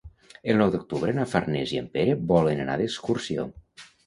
El nou d'octubre na Farners i en Pere volen anar d'excursió.